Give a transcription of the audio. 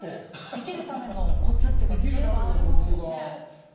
生きるためのコツっていうか知恵がありますよね。